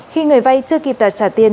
khi người vay chưa kịp đạt trả tiền